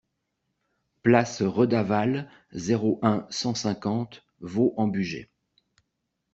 Place Redavalle, zéro un, cent cinquante Vaux-en-Bugey